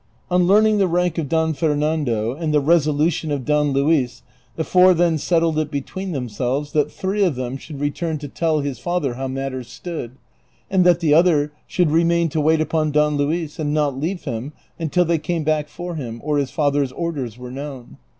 On learning the rank of Don Fer nando and the resolution of Don Li; is the four then settled it between themselves that three of them should return to tell his father how matters stood, and that the other should remain to wait upon Don Luis and not leave him until they came back for him, or his father's orders were known.